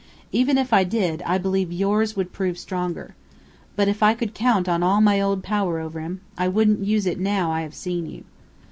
Even if I did, I believe yours would prove stronger. But if I could count on all my old power over him, I wouldn't use it now I have seen you.